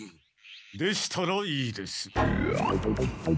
でしたらいいです。